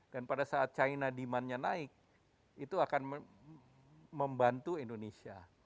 dan pada saat china demandnya naik itu akan membantu indonesia